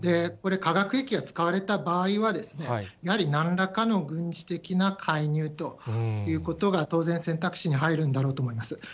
これ、化学兵器が使われた場合は、やはりなんらかの軍事的な介入ということが当然、選択肢に入るんだろうと思います。